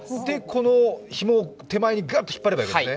このひもを手前にガッと引っ張ればいいわけですね。